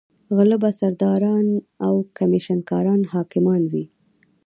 غله به سرداران او کمېشن کاران حاکمان وي.